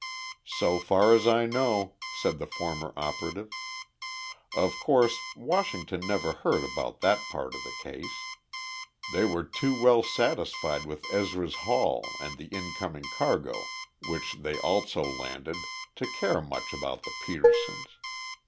"So far as I know," said the former operative. "Of course, Washington never heard about that part of the case. They were too well satisfied with Ezra's haul and the incoming cargo, which they also landed, to care much about the Petersens.